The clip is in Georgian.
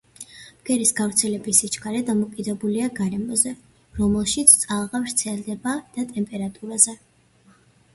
ბგერის გავრცელების სიჩქარე დამოკიდებულია გარემოზე, რომელშიც ტალღა ვრცელდება და ტემპერატურაზე.